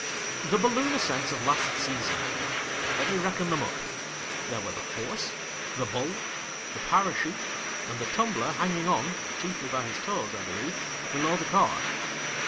The balloon ascents of last season. Let me reckon them up. There were the horse, the bull, the parachute, and the tumbler hanging on — chiefly by his toes, I believe — below the car.